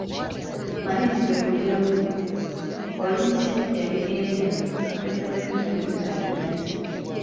Maliriza olugero luno: Olizze ebigenda, …..